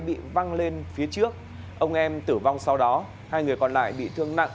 bị văng lên phía trước ông em tử vong sau đó hai người còn lại bị thương nặng